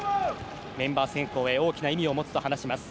メンバー選考へ大きな意味を持つと話します。